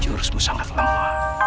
jurusmu sangat lemah